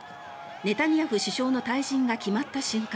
ネタニヤフ首相の退陣が決まった瞬間